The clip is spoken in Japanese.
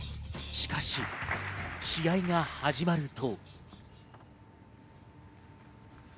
しかし試合が始まると。